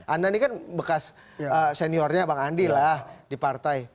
anda ini kan bekas seniornya bang andi lah di partai